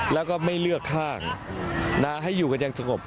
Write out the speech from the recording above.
แล้วก็ไม่เลือกข้างให้อยู่กันอย่างสงบ